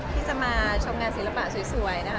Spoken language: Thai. ที่จะมาชมงานศิลปะสวยนะคะ